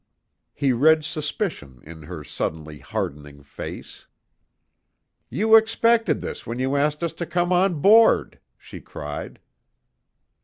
He read suspicion in her suddenly hardening face. "You expected this when you asked us to come on board!" she cried.